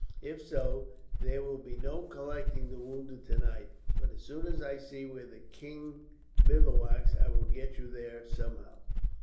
If so, there will be no collecting the wounded tonight; but as soon as I see where the king bivouacs, I will get you there somehow."